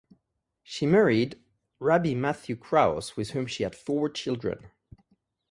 She married Rabbi Matthew Kraus with whom she had four children.